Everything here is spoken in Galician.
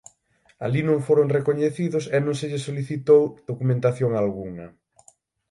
Alí non foron recoñecidos e non se lles solicitou documentación algunha.